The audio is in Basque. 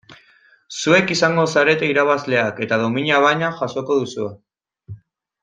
Zuek izango zarete irabazleak eta domina bana jasoko duzue.